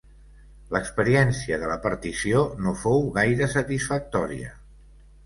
L'experiència de la partició no fou gaire satisfactòria.